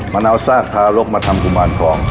มันเอาซากทารกมาทำกุมารทอง